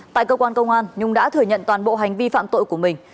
tại cơ quan công an nhung đã thừa nhận toàn bộ hành vi phạm tội của mình